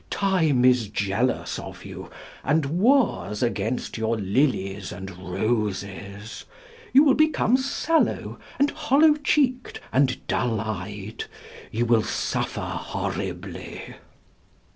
Time is jealous of you, and wars against your lilies and roses. You will become sallow, and hollow cheeked, and dull eyed. You will suffer horribly."